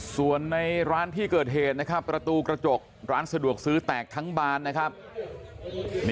ส่วนในร้านที่เกิดเหตุนะครับประตูกระจกร้านสะดวกซื้อแตกทั้งบานนะครับ